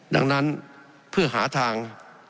ดังนั้นเพื่อหาทาง